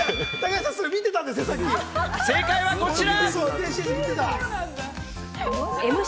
正解はこちら。